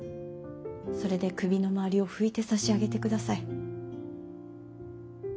それで首の周りを拭いてさしあげてください。